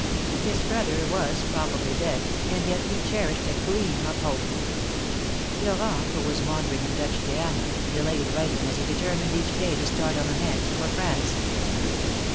His brother was probably dead, and yet he cherished a gleam of hope. Florent, who was wandering in Dutch Guiana, delayed writing, as he determined each day to start on the next, for France.